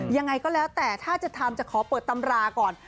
ยังไงก็แล้วแต่ถ้าจะทำจะขอเปิดตำราก่อน